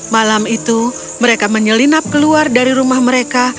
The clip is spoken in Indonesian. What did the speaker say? malam itu mereka menyelinap keluar dari rumah mereka